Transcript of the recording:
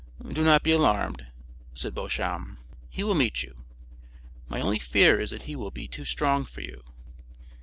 "Do not be alarmed," said Beauchamp; "he will meet you. My only fear is that he will be too strong for you."